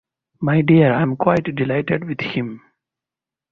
my dear, I am quite delighted with him.